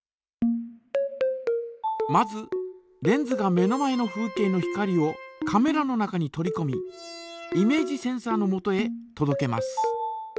まずレンズが目の前の風景の光をカメラの中に取りこみイメージセンサのもとへとどけます。